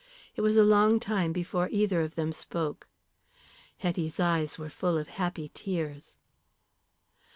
It was a long time before either of them spoke. Hetty's eyes were full of happy tears.